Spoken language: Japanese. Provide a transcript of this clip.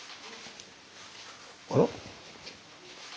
あら？